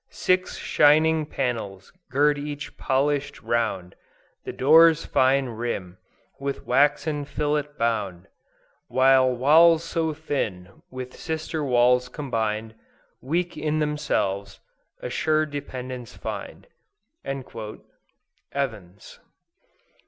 Six shining panels gird each polish'd round, The door's fine rim, with waxen fillet bound, While walls so thin, with sister walls combined, Weak in themselves, a sure dependence find." _Evans.